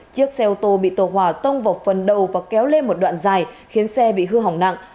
chiếc xe ô tô bị tàu hỏa tông vào phần đầu và kéo lên một đoạn dài khiến xe bị hư hỏng nặng